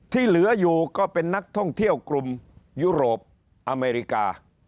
ที่เหลืออยู่ก็เป็นนักท่องเที่ยวกลุ่มยุโรปอเมริกา